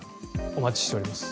お待ちしております。